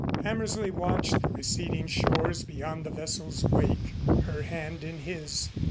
Hammersley watched the receding shores beyond the vessel's wake, her hand in his.